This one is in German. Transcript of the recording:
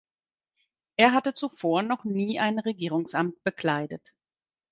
Er hatte zuvor noch nie ein Regierungsamt bekleidet.